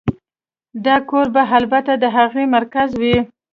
دا کور به البته د هغې مرکز وي